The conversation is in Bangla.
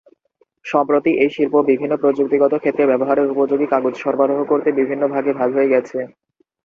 সম্প্রতি এই শিল্প বিভিন্ন প্রযুক্তিগত ক্ষেত্রে ব্যবহারের উপযোগী কাগজ সরবরাহ করতে বিভিন্ন ভাগে ভাগ হয়ে গেছে।